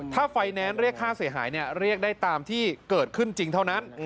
ถ้าไฟแนนซ์เรียกค่าเสียหายเรียกได้ตามที่เกิดขึ้นจริงเท่านั้น